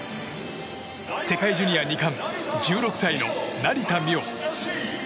世界ジュニア２冠１６歳の成田実生。